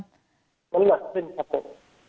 น้ำหนักขึ้นครับผม